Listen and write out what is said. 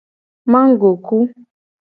Magoku.